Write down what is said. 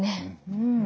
うん。